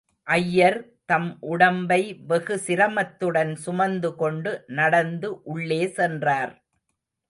ஐயர் தம் உடம்பை வெகு சிரமத்துடன் சுமந்துகொண்டு நடந்து உள்ளே சென்றார்.